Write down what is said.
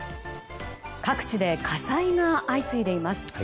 各地で火災が相次いでいます。